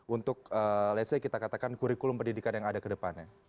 untuk let's say kita katakan kurikulum pendidikan yang ada kedepannya